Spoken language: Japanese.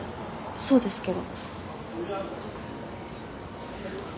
そうですけど。